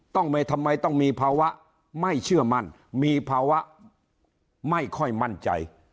ทำไมต้องมีภาวะไม่เชื่อมั่นมีภาวะไม่ค่อยมั่นใจ